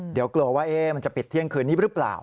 เดี๋ยวกลัวว่ามันจะปิดเที่ยงคืนนี้หรือเปล่า